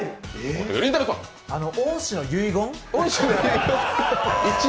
恩師の遺言？